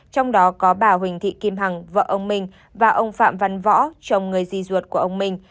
trong đó có bà huỳnh thị kim hằng vợ ông minh và ông phạm văn võ chồng người di ruột của ông minh